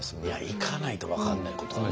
行かないと分かんないことはね。